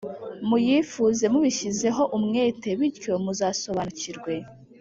muyifuze mubishyizeho umwete, bityo muzasobanukirwe.